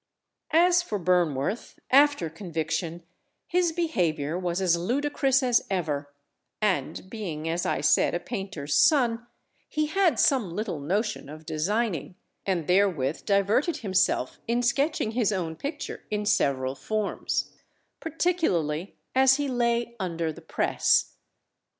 As for Burnworth, after conviction, his behaviour was as ludicrous as ever; and being as I said, a painter's son, he had some little notion of designing, and therewith diverted himself in sketching his own picture in several forms; particularly as he lay under the press.